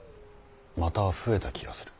また増えた気がする。